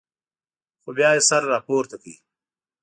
خو بیا یې سر راپورته کړ.